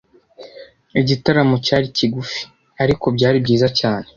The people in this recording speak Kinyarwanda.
Igitaramo cyari kigufi. Ariko, byari byiza cyane.